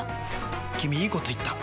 君いいこと言った！